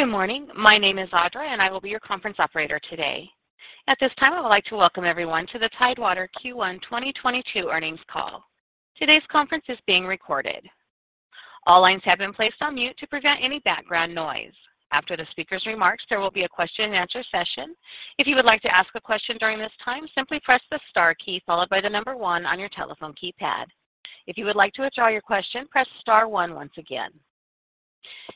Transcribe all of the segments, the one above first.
Good morning. My name is Audra, and I will be your conference operator today. At this time, I would like to welcome everyone to the Tidewater Q1 2022 earnings call. Today's conference is being recorded. All lines have been placed on mute to prevent any background noise. After the speaker's remarks, there will be a question-and-answer session. If you would like to ask a question during this time, simply press the star key followed by the number one on your telephone keypad. If you would like to withdraw your question, press star one once again.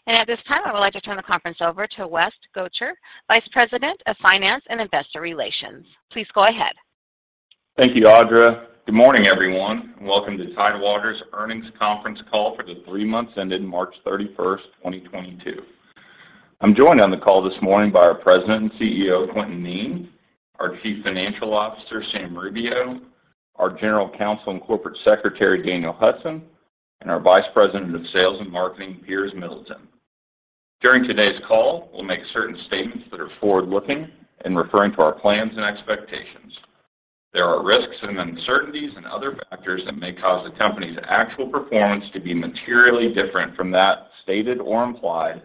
At this time, I would like to turn the conference over to West Gotcher, Vice President of Finance and Investor Relations. Please go ahead. Thank you, Audra. Good morning, everyone, and welcome to Tidewater's earnings conference call for the three months ended March 31st, 2022. I'm joined on the call this morning by our President and CEO, Quintin Kneen, our Chief Financial Officer, Sam Rubio, our General Counsel and Corporate Secretary, Daniel Hudson, and our Vice President of Sales and Marketing, Piers Middleton. During today's call, we'll make certain statements that are forward-looking in referring to our plans and expectations. There are risks and uncertainties and other factors that may cause the company's actual performance to be materially different from that stated or implied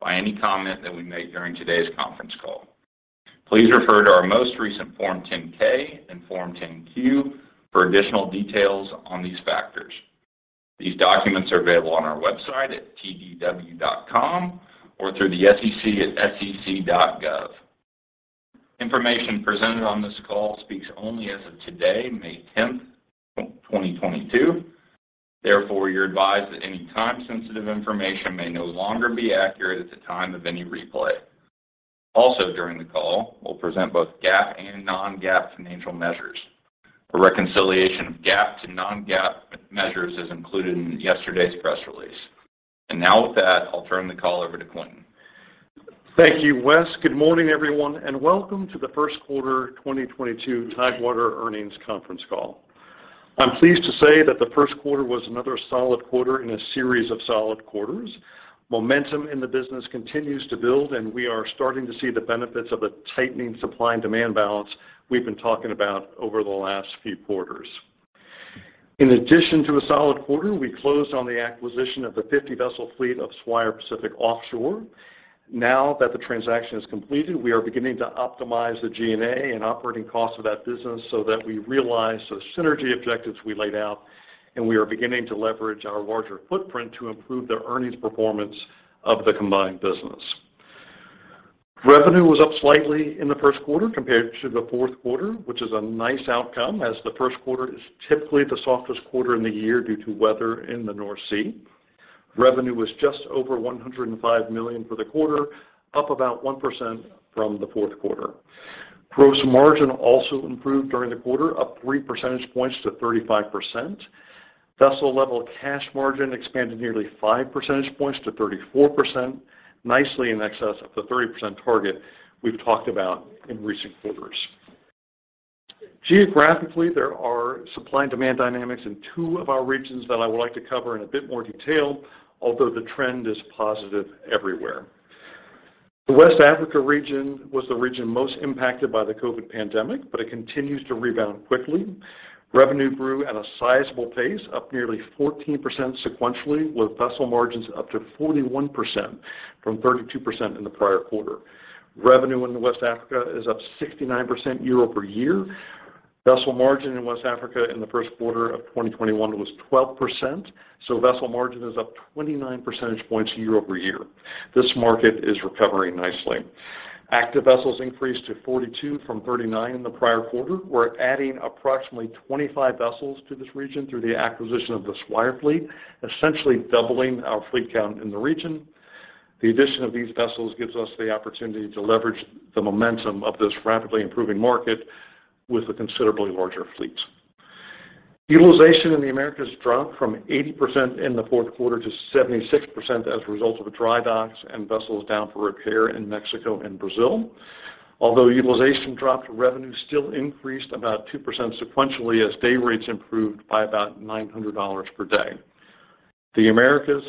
by any comment that we make during today's conference call. Please refer to our most recent Form 10-K and Form 10-Q for additional details on these factors. These documents are available on our website at tdw.com or through the SEC at sec.gov. Information presented on this call speaks only as of today, May 10, 2022. Therefore, you're advised that any time-sensitive information may no longer be accurate at the time of any replay. Also during the call, we'll present both GAAP and non-GAAP financial measures. A reconciliation of GAAP to non-GAAP measures is included in yesterday's press release. Now with that, I'll turn the call over to Quintin. Thank you, West. Good morning, everyone, and welcome to the first quarter 2022 Tidewater earnings conference call. I'm pleased to say that the first quarter was another solid quarter in a series of solid quarters. Momentum in the business continues to build, and we are starting to see the benefits of a tightening supply and demand balance we've been talking about over the last few quarters. In addition to a solid quarter, we closed on the acquisition of the 50-vessel fleet of Swire Pacific Offshore. Now that the transaction is completed, we are beginning to optimize the G&A and operating costs of that business so that we realize those synergy objectives we laid out, and we are beginning to leverage our larger footprint to improve the earnings performance of the combined business. Revenue was up slightly in the first quarter compared to the fourth quarter, which is a nice outcome as the first quarter is typically the softest quarter in the year due to weather in the North Sea. Revenue was just over $105 million for the quarter, up about 1% from the fourth quarter. Gross margin also improved during the quarter, up three percentage points to 35%. Vessel-level cash margin expanded nearly five percentage points to 34%, nicely in excess of the 30% target we've talked about in recent quarters. Geographically, there are supply and demand dynamics in two of our regions that I would like to cover in a bit more detail, although the trend is positive everywhere. The West Africa region was the region most impacted by the COVID pandemic, but it continues to rebound quickly. Revenue grew at a sizable pace, up nearly 14% sequentially, with vessel margins up to 41% from 32% in the prior quarter. Revenue in West Africa is up 69% year-over-year. Vessel margin in West Africa in the first quarter of 2021 was 12%, so vessel margin is up 29 percentage points year-over-year. This market is recovering nicely. Active vessels increased to 42 from 39 in the prior quarter. We're adding approximately 25 vessels to this region through the acquisition of the Swire fleet, essentially doubling our fleet count in the region. The addition of these vessels gives us the opportunity to leverage the momentum of this rapidly improving market with a considerably larger fleet. Utilization in the Americas dropped from 80% in the fourth quarter to 76% as a result of dry docks and vessels down for repair in Mexico and Brazil. Although utilization dropped, revenue still increased about 2% sequentially as day rates improved by about $900 per day. The Americas,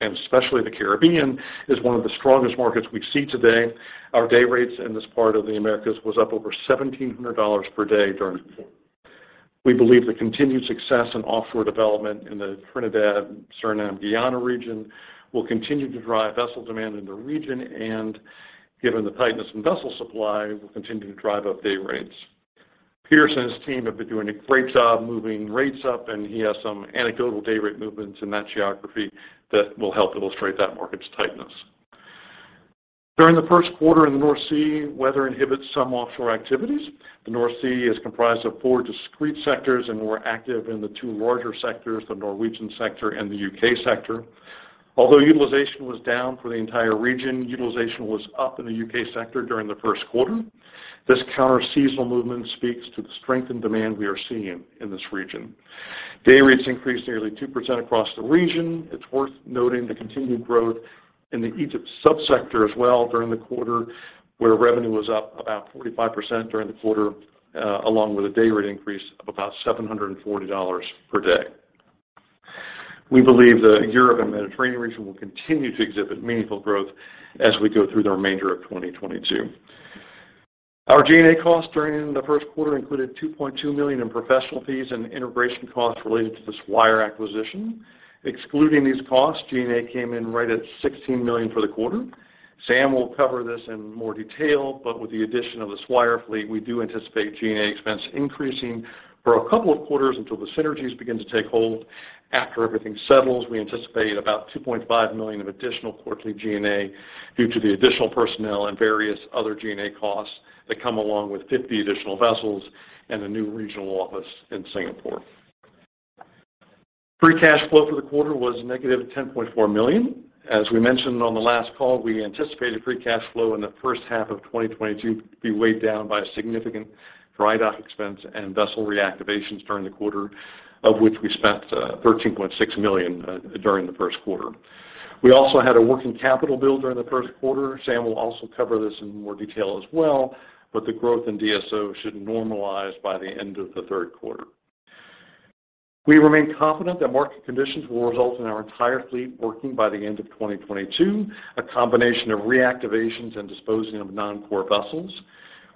and especially the Caribbean, is one of the strongest markets we see today. Our day rates in this part of the Americas was up over $1,700 per day during the quarter. We believe the continued success in offshore development in the Trinidad, Suriname, Guyana region will continue to drive vessel demand in the region and, given the tightness in vessel supply, will continue to drive up day rates. Piers and his team have been doing a great job moving rates up, and he has some anecdotal day rate movements in that geography that will help illustrate that market's tightness. During the first quarter in the North Sea, weather inhibits some offshore activities. The North Sea is comprised of four discrete sectors, and we're active in the two larger sectors, the Norwegian sector and the U.K. sector. Although utilization was down for the entire region, utilization was up in the U.K. sector during the first quarter. This counter-seasonal movement speaks to the strength in demand we are seeing in this region. Day rates increased nearly 2% across the region. It's worth noting the continued growth in the Egypt subsector as well during the quarter, along with a day rate increase of about 45% during the quarter and about $740 per day. We believe the Europe and Mediterranean region will continue to exhibit meaningful growth as we go through the remainder of 2022. Our G&A costs during the first quarter included $2.2 million in professional fees and integration costs related to the Swire acquisition. Excluding these costs, G&A came in right at $16 million for the quarter. Sam will cover this in more detail, but with the addition of the Swire fleet, we do anticipate G&A expense increasing for a couple of quarters until the synergies begin to take hold. After everything settles, we anticipate about $2.5 million of additional quarterly G&A due to the additional personnel and various other G&A costs that come along with 50 additional vessels and a new regional office in Singapore. Free cash flow for the quarter was -$10.4 million. As we mentioned on the last call, we anticipated free cash flow in the first half of 2022 to be weighed down by a significant dry dock expense and vessel reactivations during the quarter, of which we spent $13.6 million during the first quarter. We also had a working capital build during the first quarter. Sam will also cover this in more detail as well, but the growth in DSO should normalize by the end of the third quarter. We remain confident that market conditions will result in our entire fleet working by the end of 2022, a combination of reactivations and disposing of non-core vessels.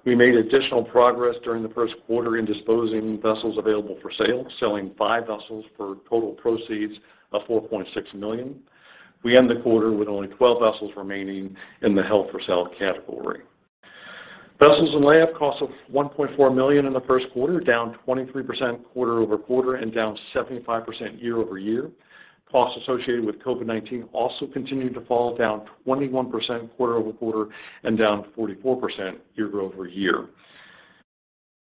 We made additional progress during the first quarter in disposing vessels available for sale, selling five vessels for total proceeds of $4.6 million. We end the quarter with only 12 vessels remaining in the held for sale category. Vessels in layup cost $1.4 million in the first quarter, down 23% quarter-over-quarter and down 75% year-over-year. Costs associated with COVID-19 also continued to fall, down 21% quarter-over-quarter and down 44% year-over-year.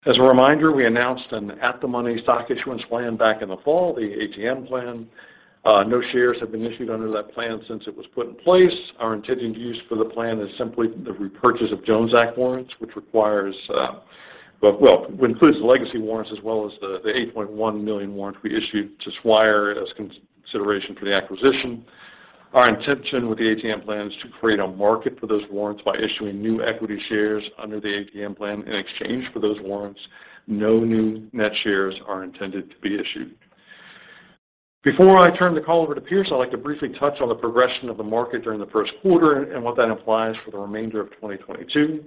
As a reminder, we announced an at-the-money stock issuance plan back in the fall, the ATM plan. No shares have been issued under that plan since it was put in place. Our intended use for the plan is simply the repurchase of Jones Act warrants, which requires, includes the legacy warrants as well as the 8.1 million warrants we issued to Swire as consideration for the acquisition. Our intention with the ATM plan is to create a market for those warrants by issuing new equity shares under the ATM plan in exchange for those warrants. No new net shares are intended to be issued. Before I turn the call over to Piers, I'd like to briefly touch on the progression of the market during the first quarter and what that implies for the remainder of 2022.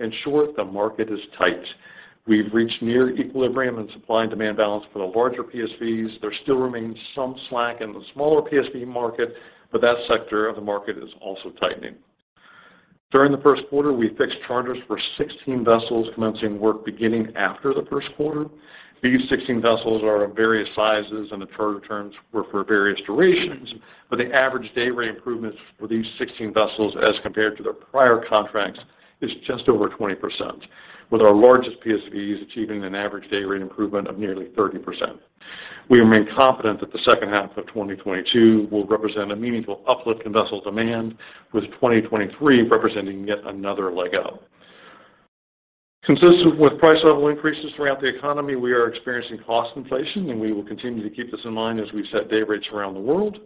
In short, the market is tight. We've reached near equilibrium in supply and demand balance for the larger PSVs. There still remains some slack in the smaller PSV market, but that sector of the market is also tightening. During the first quarter, we fixed charters for 16 vessels commencing work beginning after the first quarter. These 16 vessels are of various sizes, and the charter terms were for various durations, but the average day rate improvements for these 16 vessels as compared to their prior contracts is just over 20%, with our largest PSVs achieving an average day rate improvement of nearly 30%. We remain confident that the second half of 2022 will represent a meaningful uplift in vessel demand, with 2023 representing yet another leg up. Consistent with price level increases throughout the economy, we are experiencing cost inflation, and we will continue to keep this in mind as we set day rates around the world.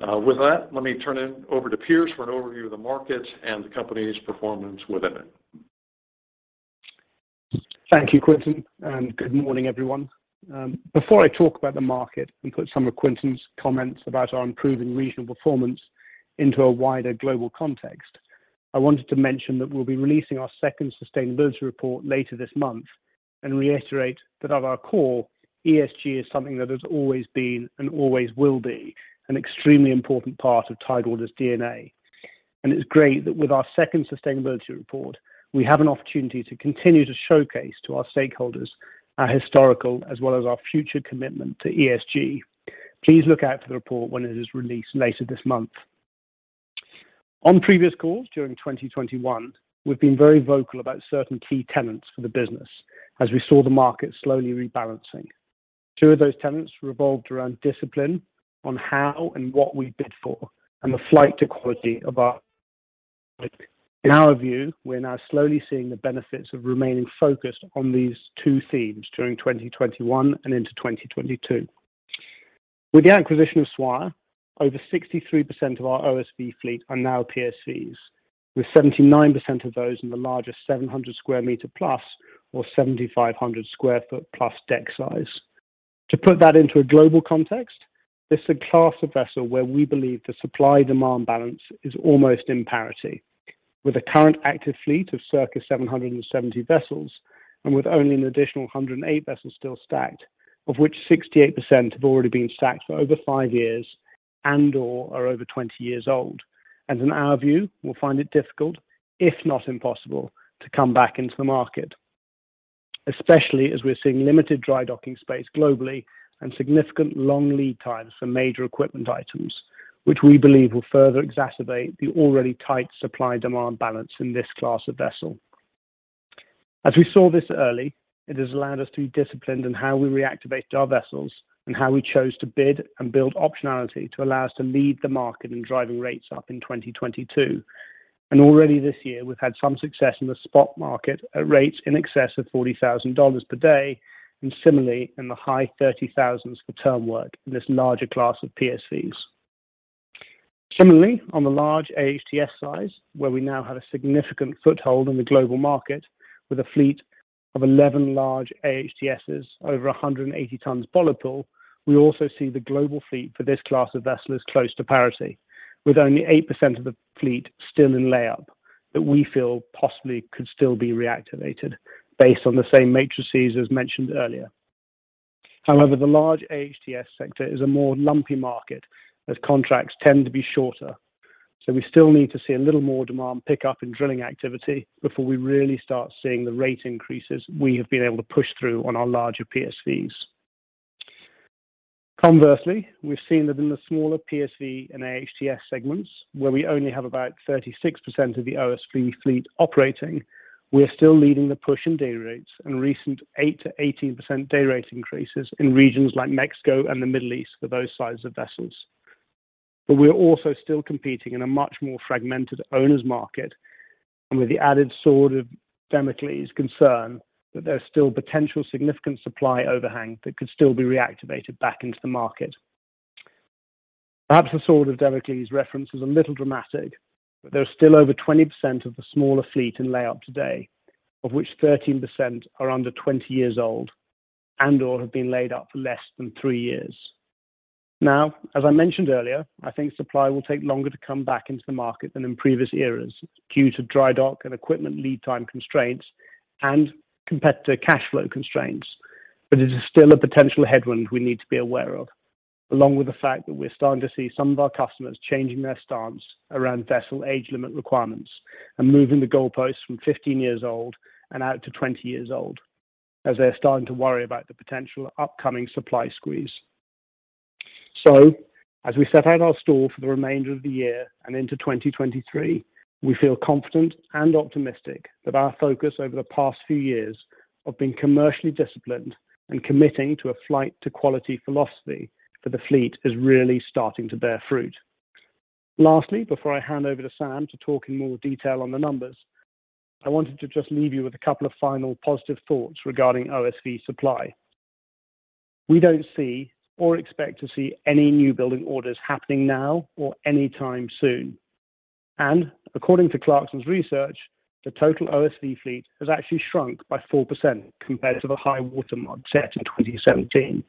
With that, let me turn it over to Piers for an overview of the markets and the company's performance within it. Thank you, Quintin, and good morning, everyone. Before I talk about the market and put some of Quintin's comments about our improving regional performance into a wider global context, I wanted to mention that we'll be releasing our second sustainability report later this month and reiterate that at our core, ESG is something that has always been and always will be an extremely important part of Tidewater's DNA. It's great that with our second sustainability report, we have an opportunity to continue to showcase to our stakeholders our historical as well as our future commitment to ESG. Please look out for the report when it is released later this month. On previous calls during 2021, we've been very vocal about certain key tenets for the business as we saw the market slowly rebalancing. Two of those tenets revolved around discipline on how and what we bid for and the flight to quality of our fleet. In our view, we're now slowly seeing the benefits of remaining focused on these two themes during 2021 and into 2022. With the acquisition of Swire, over 63% of our OSV fleet are now PSVs, with 79% of those in the larger +700 sq m or +7,500 sq ft deck size. To put that into a global context, this is a class of vessel where we believe the supply-demand balance is almost in parity with a current active fleet of circa 770 vessels and with only an additional 108 vessels still stacked, of which 68% have already been stacked for over five years and/or are over 20 years old and in our view will find it difficult, if not impossible, to come back into the market, especially as we're seeing limited dry docking space globally and significant long lead times for major equipment items, which we believe will further exacerbate the already tight supply-demand balance in this class of vessel. As we saw this early, it has allowed us to be disciplined in how we reactivated our vessels and how we chose to bid and build optionality to allow us to lead the market in driving rates up in 2022. Already this year, we've had some success in the spot market at rates in excess of $40,000 per day, and similarly in the high 30,000 for term work in this larger class of PSVs. Similarly, on the large AHTS size, where we now have a significant foothold in the global market with a fleet of 11 large AHTS over 180 tons bollard pull, we also see the global fleet for this class of vessel is close to parity, with only 8% of the fleet still in layup that we feel possibly could still be reactivated based on the same metrics as mentioned earlier. However, the large AHTS sector is a more lumpy market as contracts tend to be shorter. We still need to see a little more demand pick up in drilling activity before we really start seeing the rate increases we have been able to push through on our larger PSVs. Conversely, we've seen that in the smaller PSV and AHTS segments, where we only have about 36% of the OSV fleet operating, we are still leading the push in day rates and recent 8%-18% day rate increases in regions like Mexico and the Middle East for those sizes of vessels. We are also still competing in a much more fragmented owners market and with the added Sword of Damocles concern that there's still potential significant supply overhang that could still be reactivated back into the market. Perhaps the Sword of Damocles reference is a little dramatic, but there are still over 20% of the smaller fleet in layup today, of which 13% are under 20 years old and/or have been laid up for less than three years. Now, as I mentioned earlier, I think supply will take longer to come back into the market than in previous eras due to dry dock and equipment lead time constraints and competitor cash flow constraints. It is still a potential headwind we need to be aware of, along with the fact that we're starting to see some of our customers changing their stance around vessel age limit requirements and moving the goalposts from 15 years old and out to 20 years old as they're starting to worry about the potential upcoming supply squeeze. As we set out our stall for the remainder of the year and into 2023, we feel confident and optimistic that our focus over the past few years of being commercially disciplined and committing to a flight to quality philosophy for the fleet is really starting to bear fruit. Lastly, before I hand over to Sam to talk in more detail on the numbers, I wanted to just leave you with a couple of final positive thoughts regarding OSV supply. We don't see or expect to see any new building orders happening now or anytime soon. According to Clarksons research, the total OSV fleet has actually shrunk by 4% compared to the high water mark set in 2017.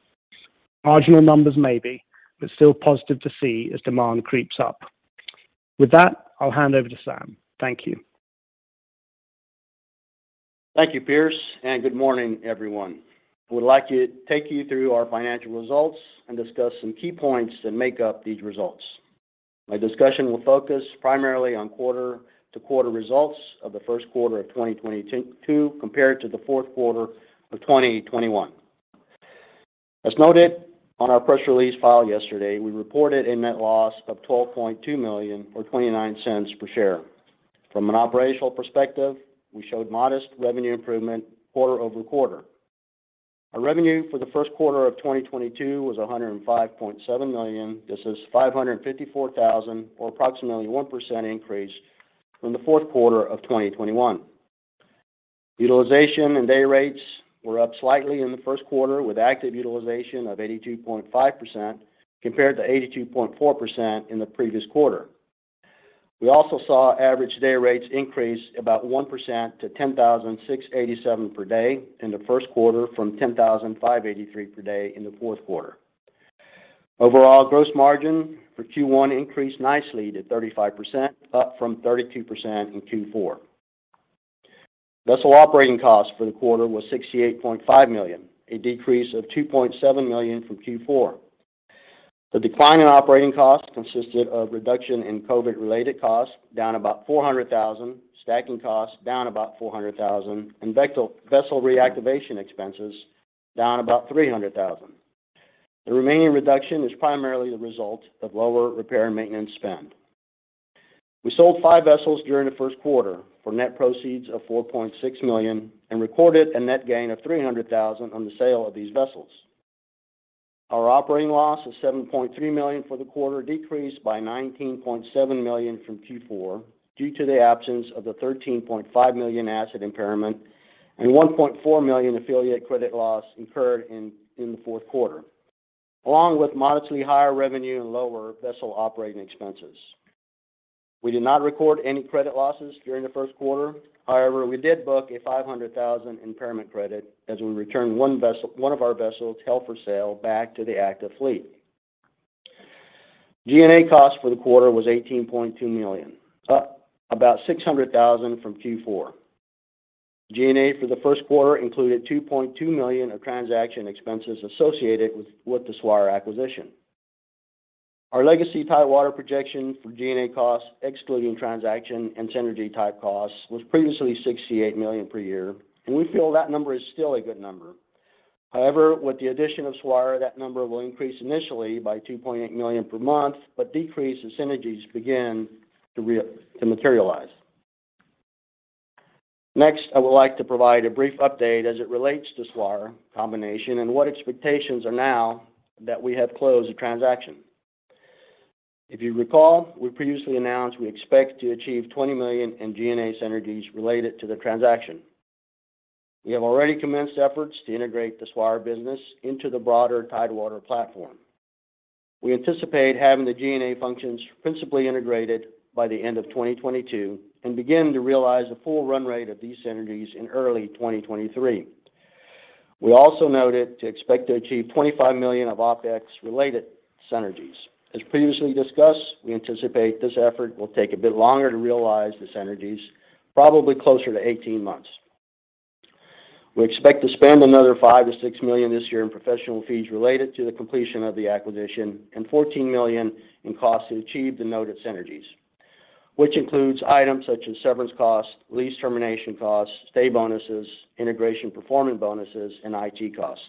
Marginal numbers maybe, but still positive to see as demand creeps up. With that, I'll hand over to Sam. Thank you. Thank you, Piers, and good morning, everyone. I would like to take you through our financial results and discuss some key points that make up these results. My discussion will focus primarily on quarter-to-quarter results of the first quarter of 2022 compared to the fourth quarter of 2021. As noted on our press release filed yesterday, we reported a net loss of $12.2 million or $0.29 per share. From an operational perspective, we showed modest revenue improvement quarter-over-quarter. Our revenue for the first quarter of 2022 was $105.7 million. This is $554 thousand or approximately 1% increase from the fourth quarter of 2021. Utilization and day rates were up slightly in the first quarter, with active utilization of 82.5% compared to 82.4% in the previous quarter. We also saw average day rates increase about 1% to $10,687 per day in the first quarter from $10,583 per day in the fourth quarter. Overall, gross margin for Q1 increased nicely to 35%, up from 32% in Q4. Vessel operating costs for the quarter was $68.5 million, a decrease of $2.7 million from Q4. The decline in operating costs consisted of reduction in COVID-related costs down about $400,000, stacking costs down about $400,000, and vessel reactivation expenses down about $300,000. The remaining reduction is primarily the result of lower repair and maintenance spend. We sold five vessels during the first quarter for net proceeds of $4.6 million and recorded a net gain of $300,000 on the sale of these vessels. Our operating loss of $7.3 million for the quarter decreased by $19.7 million from Q4 due to the absence of the $13.5 million asset impairment and $1.4 million affiliate credit loss incurred in the fourth quarter, along with modestly higher revenue and lower vessel operating expenses. We did not record any credit losses during the first quarter. However, we did book a $500,000 impairment credit as we returned one of our vessels held for sale back to the active fleet. G&A cost for the quarter was $18.2 million, up about $600,000 from Q4. G&A for the first quarter included $2.2 million of transaction expenses associated with the Swire acquisition. Our legacy Tidewater projection for G&A costs, excluding transaction and synergy-type costs, was previously $68 million per year, and we feel that number is still a good number. However, with the addition of Swire, that number will increase initially by $2.8 million per month, but decrease as synergies begin to materialize. Next, I would like to provide a brief update as it relates to Swire combination and what expectations are now that we have closed the transaction. If you recall, we previously announced we expect to achieve $20 million in G&A synergies related to the transaction. We have already commenced efforts to integrate the Swire business into the broader Tidewater platform. We anticipate having the G&A functions principally integrated by the end of 2022 and begin to realize the full run rate of these synergies in early 2023. We also noted to expect to achieve $25 million of OpEx-related synergies. As previously discussed, we anticipate this effort will take a bit longer to realize the synergies, probably closer to 18 months. We expect to spend another $5-6 million this year in professional fees related to the completion of the acquisition and $14 million in costs to achieve the noted synergies, which includes items such as severance costs, lease termination costs, stay bonuses, integration performance bonuses, and IT costs.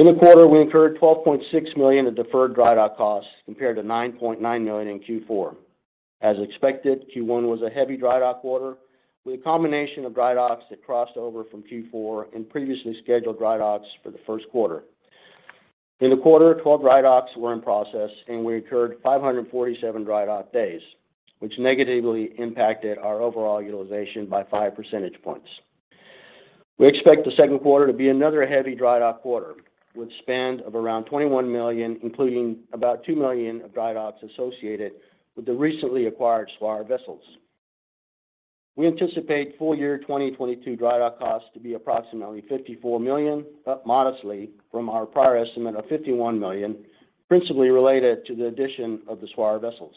In the quarter, we incurred $12.6 million of deferred dry dock costs compared to $9.9 million in Q4. As expected, Q1 was a heavy dry dock quarter with a combination of dry docks that crossed over from Q4 and previously scheduled dry docks for the first quarter. In the quarter, 12 dry docks were in process, and we incurred 547 dry dock days, which negatively impacted our overall utilization by five percentage points. We expect the second quarter to be another heavy dry dock quarter with spend of around $21 million, including about $2 million of dry docks associated with the recently acquired Swire vessels. We anticipate full year 2022 dry dock costs to be approximately $54 million, up modestly from our prior estimate of $51 million, principally related to the addition of the Swire vessels.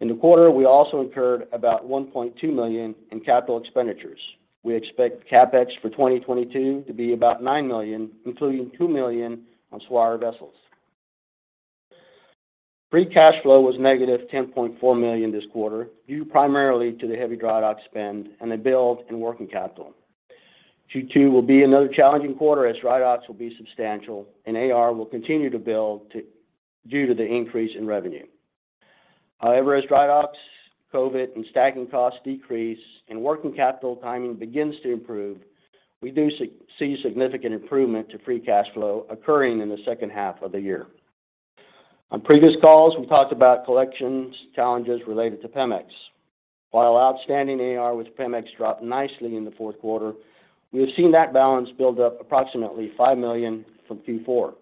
In the quarter, we also incurred about $1.2 million in capital expenditures. We expect CapEx for 2022 to be about $9 million, including $2 million on Swire vessels. Free cash flow was negative $10.4 million this quarter, due primarily to the heavy dry dock spend and the build in working capital. Q2 will be another challenging quarter as dry docks will be substantial and AR will continue to build, too, due to the increase in revenue. However, as dry docks, COVID, and stacking costs decrease and working capital timing begins to improve, we do see significant improvement to free cash flow occurring in the second half of the year. On previous calls, we talked about collections challenges related to Pemex. While outstanding AR with Pemex dropped nicely in the fourth quarter, we have seen that balance build up approximately $5 million from Q4.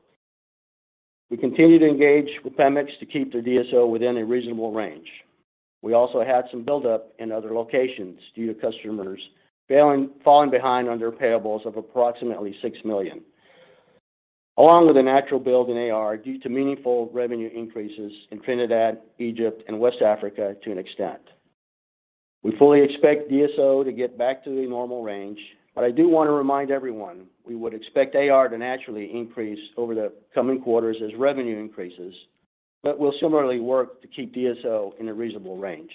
We continue to engage with Pemex to keep the DSO within a reasonable range. We also had some buildup in other locations due to customers falling behind on their payables of approximately $6 million. Along with a natural build in AR due to meaningful revenue increases in Trinidad, Egypt, and West Africa to an extent. We fully expect DSO to get back to the normal range, but I do want to remind everyone we would expect AR to naturally increase over the coming quarters as revenue increases, but we'll similarly work to keep DSO in a reasonable range.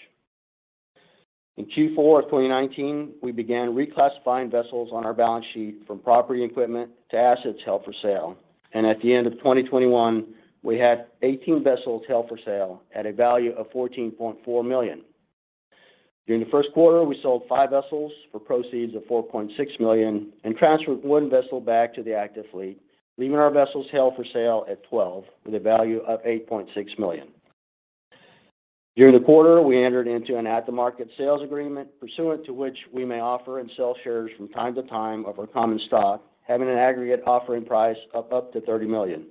In Q4 of 2019, we began reclassifying vessels on our balance sheet from property and equipment to assets held for sale. At the end of 2021, we had 18 vessels held for sale at a value of $14.4 million. During the first quarter, we sold five vessels for proceeds of $4.6 million and transferred one vessel back to the active fleet, leaving our vessels held for sale at 12 with a value of $8.6 million. During the quarter, we entered into an at-the-market sales agreement pursuant to which we may offer and sell shares from time to time of our common stock, having an aggregate offering price of up to $30 million.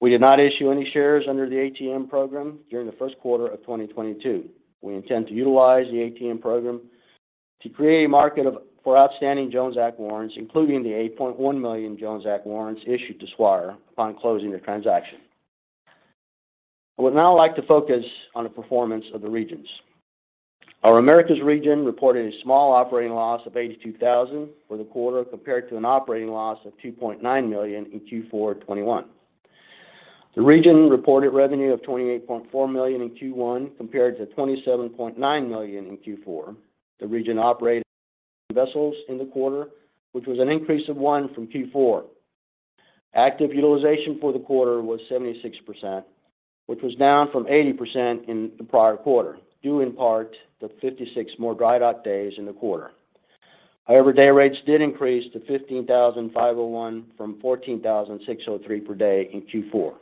We did not issue any shares under the ATM program during the first quarter of 2022. We intend to utilize the ATM program to create a market of, for outstanding Jones Act warrants, including the 8.1 million Jones Act warrants issued to Swire upon closing the transaction. I would now like to focus on the performance of the regions. Our Americas region reported a small operating loss of $82,000 for the quarter compared to an operating loss of $2.9 million in Q4 2021. The region reported revenue of $28.4 million in Q1 compared to $27.9 million in Q4. The region operated vessels in the quarter, which was an increase of one from Q4. Active utilization for the quarter was 76%, which was down from 80% in the prior quarter, due in part to 56 more dry dock days in the quarter. However, day rates did increase to $15,051 from $14,603 per day in Q4.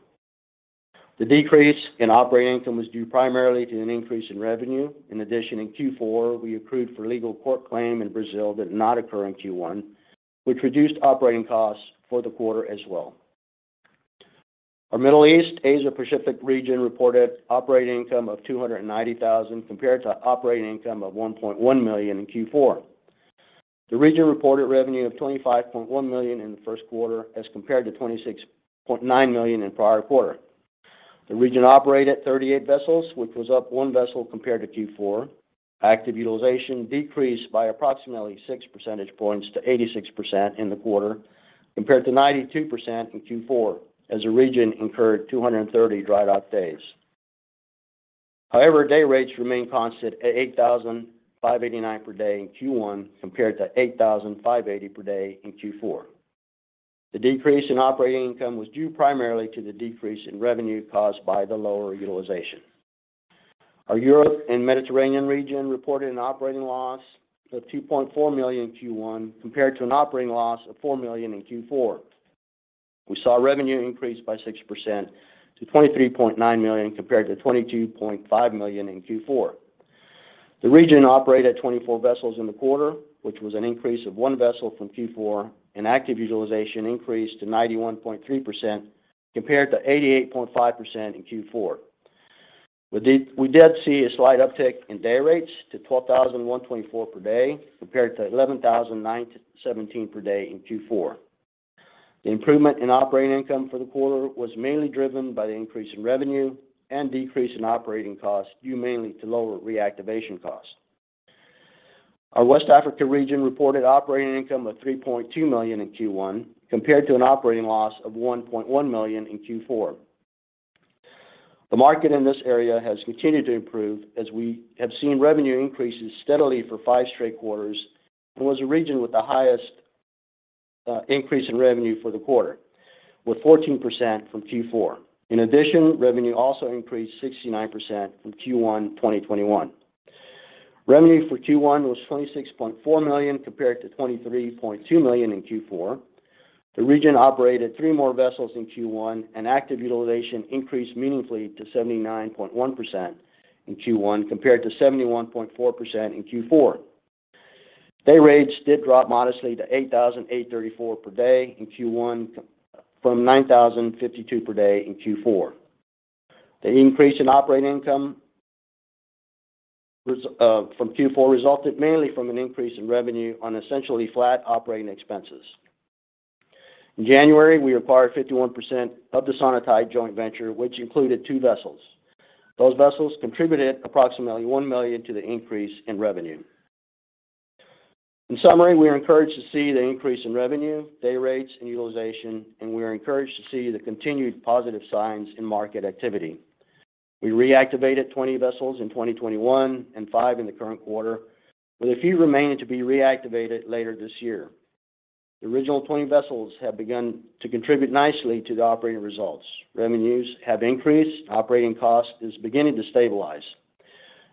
The decrease in operating income was due primarily to an increase in revenue. In addition, in Q4, we accrued for a legal court claim in Brazil that did not occur in Q1, which reduced operating costs for the quarter as well. Our Middle East Asia Pacific region reported operating income of $290,000 compared to operating income of $1.1 million in Q4. The region reported revenue of $25.1 million in the first quarter as compared to $26.9 million in prior quarter. The region operated 38 vessels, which was up one vessel compared to Q4. Active utilization decreased by approximately six percentage points to 86% in the quarter compared to 92% in Q4 as the region incurred 230 dry dock days. However, day rates remained constant at 8,589 per day in Q1 compared to 8,580 per day in Q4. The decrease in operating income was due primarily to the decrease in revenue caused by the lower utilization. Our Europe and Mediterranean region reported an operating loss of $2.4 million in Q1 compared to an operating loss of $4 million in Q4. We saw revenue increase by 6% to $23.9 million compared to $22.5 million in Q4. The region operated 24 vessels in the quarter, which was an increase of one vessel from Q4, and active utilization increased to 91.3% compared to 88.5% in Q4. We did see a slight uptick in day rates to $12,124 per day compared to $11,917 per day in Q4. The improvement in operating income for the quarter was mainly driven by the increase in revenue and decrease in operating costs due mainly to lower reactivation costs. Our West Africa region reported operating income of $3.2 million in Q1 compared to an operating loss of $1.1 million in Q4. The market in this area has continued to improve as we have seen revenue increases steadily for five straight quarters, and was the region with the highest increase in revenue for the quarter, with 14% from Q4. In addition, revenue also increased 69% from Q1 2021. Revenue for Q1 was $26.4 million compared to $23.2 million in Q4. The region operated three more vessels in Q1, and active utilization increased meaningfully to 79.1% in Q1 compared to 71.4% in Q4. Day rates did drop modestly to 8,834 per day in Q1 from 9,052 per day in Q4. The increase in operating income from Q4 resulted mainly from an increase in revenue on essentially flat operating expenses. In January, we acquired 51% of the Sonatide joint venture, which included two vessels. Those vessels contributed approximately $1 million to the increase in revenue. In summary, we are encouraged to see the increase in revenue, day rates, and utilization, and we are encouraged to see the continued positive signs in market activity. We reactivated 20 vessels in 2021 and five in the current quarter, with a few remaining to be reactivated later this year. The original 20 vessels have begun to contribute nicely to the operating results. Revenues have increased. Operating cost is beginning to stabilize.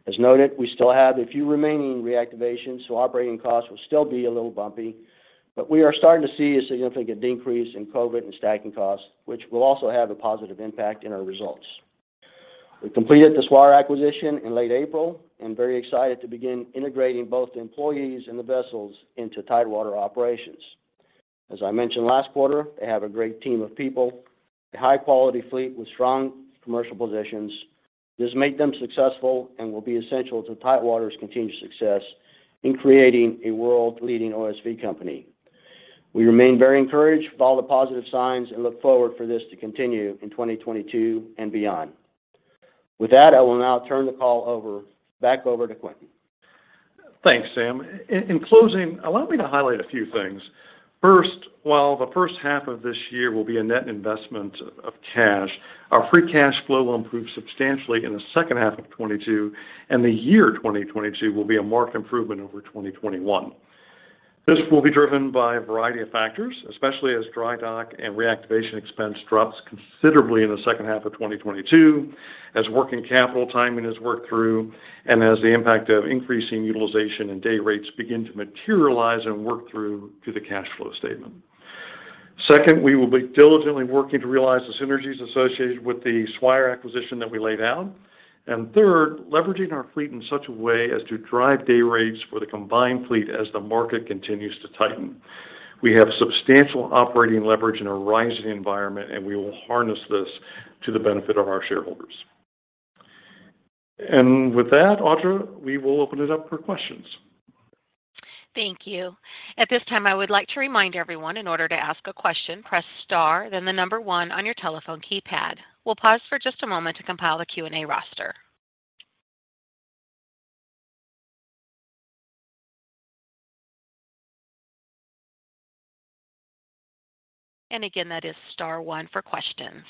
As noted, we still have a few remaining reactivations, so operating costs will still be a little bumpy, but we are starting to see a significant decrease in COVID and stacking costs, which will also have a positive impact in our results. We completed the Swire acquisition in late April and very excited to begin integrating both the employees and the vessels into Tidewater operations. As I mentioned last quarter, they have a great team of people, a high-quality fleet with strong commercial positions. This made them successful and will be essential to Tidewater's continued success in creating a world-leading OSV company. We remain very encouraged with all the positive signs and look forward for this to continue in 2022 and beyond. With that, I will now turn the call back over to Quintin. Thanks, Sam. In closing, allow me to highlight a few things. First, while the first half of this year will be a net investment of cash, our free cash flow will improve substantially in the second half of 2022, and the year 2022 will be a marked improvement over 2021. This will be driven by a variety of factors, especially as dry dock and reactivation expense drops considerably in the second half of 2022, as working capital timing is worked through, and as the impact of increasing utilization and day rates begin to materialize and work through to the cash flow statement. Second, we will be diligently working to realize the synergies associated with the Swire acquisition that we laid out. Third, leveraging our fleet in such a way as to drive day rates for the combined fleet as the market continues to tighten. We have substantial operating leverage in a rising environment, and we will harness this to the benefit of our shareholders. With that, Audra, we will open it up for questions. Thank you. At this time, I would like to remind everyone in order to ask a question, press star, then the number one on your telephone keypad. We'll pause for just a moment to compile the Q&A roster. And again, that is star one for questions.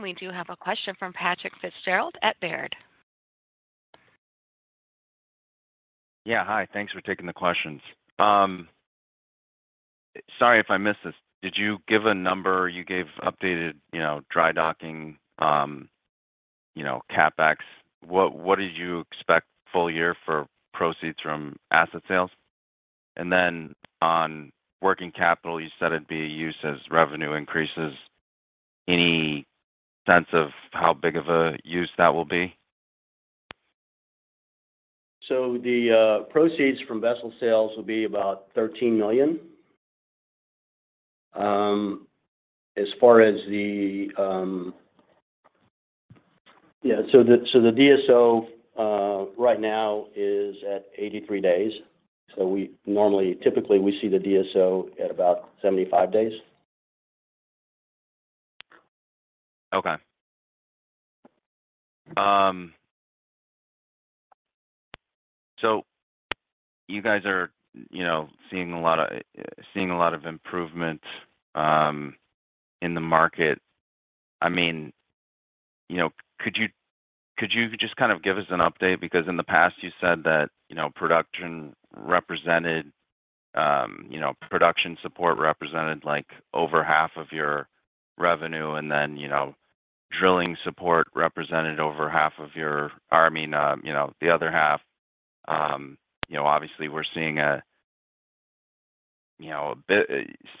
We do have a question from Patrick Fitzgerald at Baird. Yeah, hi. Thanks for taking the questions. Sorry if I missed this. Did you give a number? You gave updated, you know, dry docking, you know, CapEx. What did you expect full year for proceeds from asset sales? On working capital, you said it'd be used as revenue increases. Any sense of how big of a use that will be? The proceeds from vessel sales will be about $13 million. The DSO right now is at 83 days. We normally, typically see the DSO at about 75 days. Okay. So you guys are, you know, seeing a lot of improvement in the market. You know, could you just kind of give us an update? Because in the past you said that production support represented, like, over half of your revenue, and then, you know, drilling support represented the other half. You know, obviously we're seeing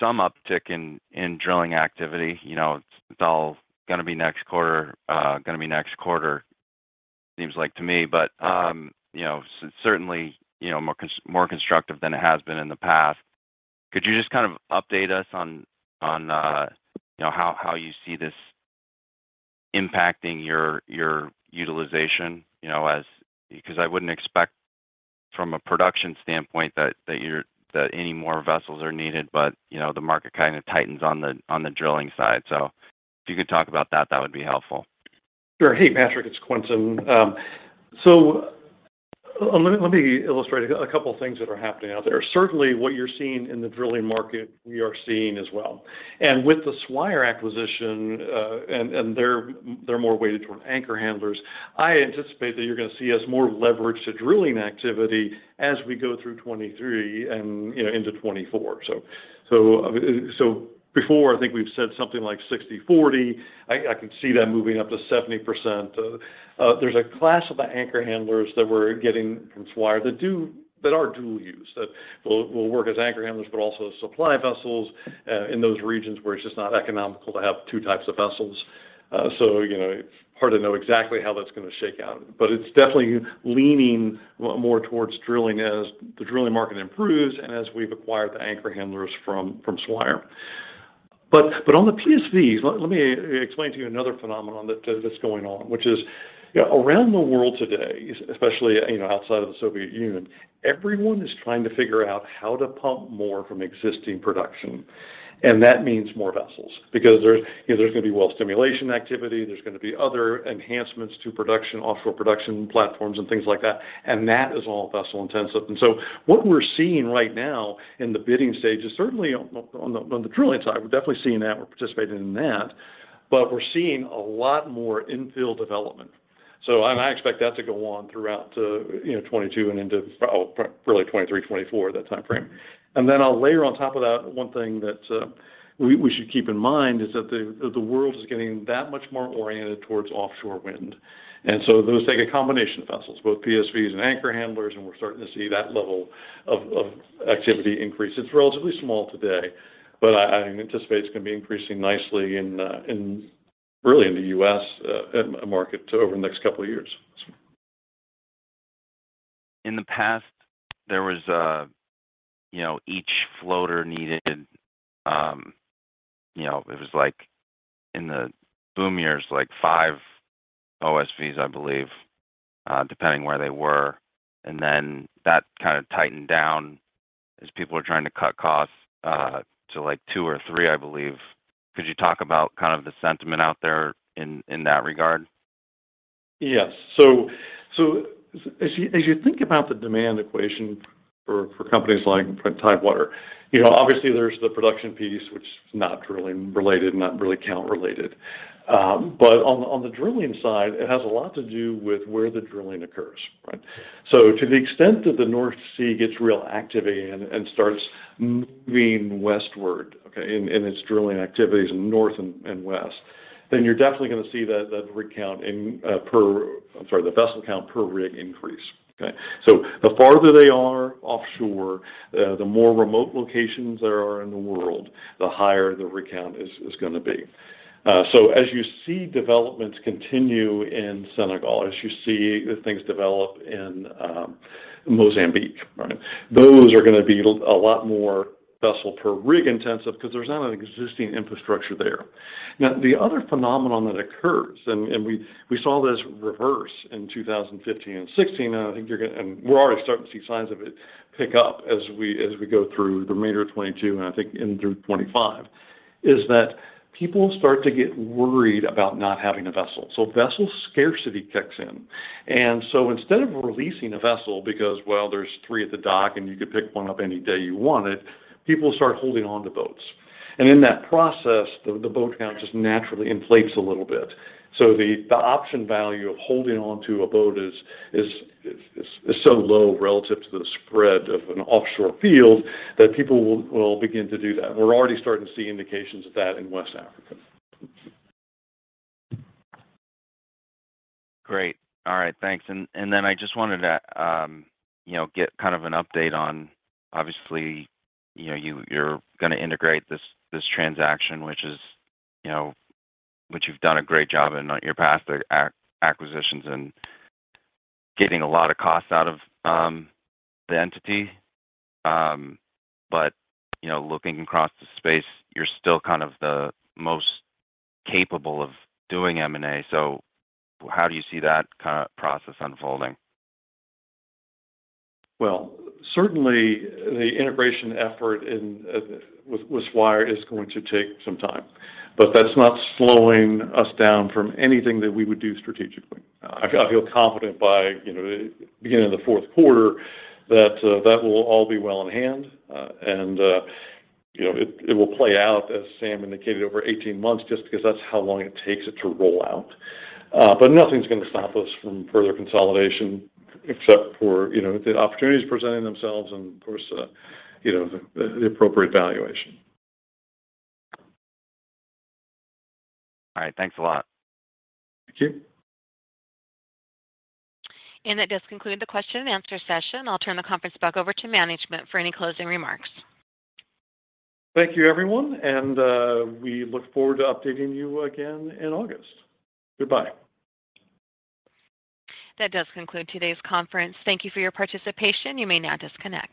some uptick in drilling activity, you know. It's all gonna be next quarter seems like to me. Okay You know, certainly, you know, more constructive than it has been in the past. Could you just kind of update us on, you know, how you see this impacting your utilization, you know? 'Cause I wouldn't expect from a production standpoint that any more vessels are needed, but, you know, the market kind of tightens on the drilling side. If you could talk about that would be helpful. Sure. Hey, Patrick, it's Quintin. Let me illustrate a couple things that are happening out there. Certainly what you're seeing in the drilling market we are seeing as well. With the Swire acquisition, they're more weighted toward anchor handlers. I anticipate that you're gonna see us more leveraged to drilling activity as we go through 2023 and into 2024. Before I think we've said something like 60/40. I can see that moving up to 70%. There's a class of anchor handlers that we're getting from Swire that are dual use. That will work as anchor handlers but also supply vessels in those regions where it's just not economical to have two types of vessels. You know, hard to know exactly how that's gonna shake out, but it's definitely leaning more towards drilling as the drilling market improves and as we've acquired the anchor handlers from Swire. But on the PSVs, let me explain to you another phenomenon that's going on, which is, you know, around the world today, especially, you know, outside of Russia, everyone is trying to figure out how to pump more from existing production, and that means more vessels. Because there's gonna be well stimulation activity, there's gonna be other enhancements to production, offshore production platforms and things like that, and that is all vessel intensive. What we're seeing right now in the bidding stage is certainly on the drilling side. We're definitely seeing that. We're participating in that, but we're seeing a lot more infill development. I expect that to go on throughout, you know, 2022 and into really 2023, 2024, that timeframe. Then I'll layer on top of that one thing that we should keep in mind, is that the world is getting that much more oriented towards offshore wind, and so those take a combination of vessels, both PSVs and anchor handlers, and we're starting to see that level of activity increase. It's relatively small today, but I anticipate it's gonna be increasing nicely in really in the U.S. market over the next couple of years. In the past, there was, you know, each floater needed, you know, it was like in the boom years, like five OSVs, I believe, depending where they were. That kind of tightened down as people were trying to cut costs, to like two or three, I believe. Could you talk about kind of the sentiment out there in that regard? Yes. As you think about the demand equation for companies like Tidewater, you know, obviously there's the production piece, which is not drilling related, not really count related. But on the drilling side, it has a lot to do with where the drilling occurs, right? To the extent that the North Sea gets real activity and starts moving westward, okay, in its drilling activities in north and west, then you're definitely gonna see the vessel count per rig increase. Okay? The farther they are offshore, the more remote locations there are in the world, the higher the rig count is gonna be. As you see developments continue in Senegal, as you see the things develop in Mozambique, right? Those are gonna be a lot more vessel per rig intensive, 'cause there's not an existing infrastructure there. Now, the other phenomenon that occurs, and we saw this reverse in 2015 and 2016, and we're already starting to see signs of it pick up as we go through the remainder of 2022, and I think in through 2025, is that people start to get worried about not having a vessel. Vessel scarcity kicks in. Instead of releasing a vessel because, well, there's three at the dock and you could pick one up any day you wanted, people start holding onto boats. In that process, the boat count just naturally inflates a little bit. The option value of holding onto a boat is so low relative to the spread of an offshore field that people will begin to do that. We're already starting to see indications of that in West Africa. Great. All right. Thanks. I just wanted to, you know, get kind of an update on, obviously, you know, you're gonna integrate this transaction, which is, you know, which you've done a great job in, your past acquisitions and getting a lot of costs out of the entity. You know, looking across the space, you're still kind of the most capable of doing M&A, so how do you see that process unfolding? Well, certainly the integration effort in with Swire is going to take some time, but that's not slowing us down from anything that we would do strategically. I feel confident by, you know, the beginning of the fourth quarter that that will all be well in hand. You know, it will play out, as Sam indicated, over 18 months, just because that's how long it takes it to roll out. Nothing's gonna stop us from further consolidation except for, you know, the opportunities presenting themselves and of course, you know, the appropriate valuation. All right. Thanks a lot. Thank you. That does conclude the question and answer session. I'll turn the conference back over to management for any closing remarks. Thank you, everyone, and we look forward to updating you again in August. Goodbye. That does conclude today's conference. Thank you for your participation. You may now disconnect.